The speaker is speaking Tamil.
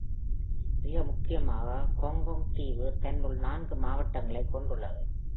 மிக முக்கியமாக, ஹாங்காங் தீவு தன்னுள் நான்கு மாவட்டங்களை கொண்டுள்ளது.